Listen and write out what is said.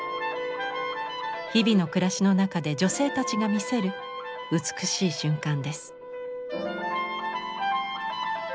日々の暮らしの中で女性たちが見せる美しい瞬間です。